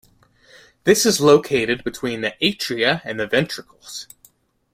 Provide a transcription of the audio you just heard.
This is located between the atria and the ventricles.